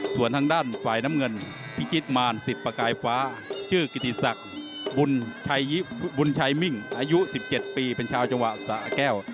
ส่วนทางด้านฝ่ายน้ำเงินพิจิตมารสิทธิ์ประกายฟ้าชื่อกิติศักดิ์บุญชัยมิ่งอายุ๑๗ปีเป็นชาวจังหวัดสะแก้ว